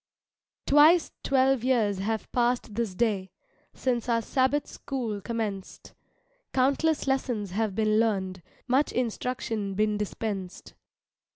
Twice twelve years have passed this day, Since our Sabbath School commenced; Countless lessons have been learned, Much instruction been dispensed.